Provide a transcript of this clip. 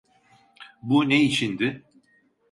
Bu ne içindi?